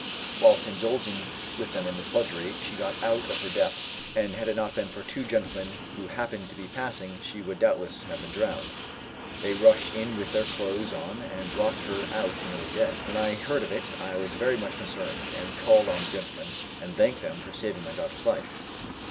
Whilst indulging with them in this luxury she got out of her depth, and had it not been for two gentlemen who happened to be passing she would doubtless have been drowned. They rushed in with their clothes on, and brought her out nearly dead. When I heard of it I was very much concerned, and called on the gentlemen, and thanked them for saving my daughter's life.